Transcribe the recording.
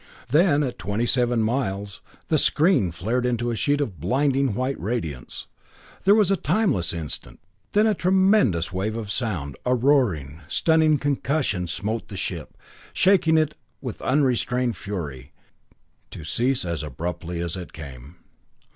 Then at twenty seven miles, the screen flared into a sheet of blinding white radiance. There was a timeless instant then a tremendous wave of sound, a roaring, stunning concussion smote the ship, shaking it with unrestrained fury to cease as abruptly as it came.